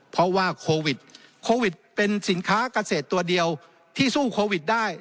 เพราะว่าโควิดโควิดเป็นสินค้าเกษตรตัวเดียวที่สู้โควิดได้